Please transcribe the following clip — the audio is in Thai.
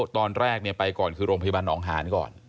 ตอนแรกไปก่อนคือโรงพยาบาลหนองหานก่อน